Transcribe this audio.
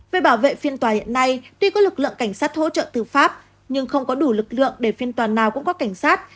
về bảo vệ phiên tòa hiện nay tuy có lực lượng cảnh sát hỗ trợ tư pháp nhưng không có đủ lực lượng để phiên tòa nào cũng có cảnh sát